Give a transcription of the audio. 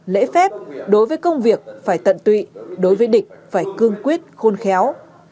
lễ phép đối với công việc phải tận tụy đối với địch phải cương quyết khôn khéo